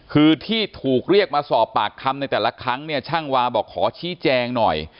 คือที่ถูกเรียกมาสอบปากคำในแต่ละครั้งเนี่ยช่างวาบอกขอชี้แจงหน่อย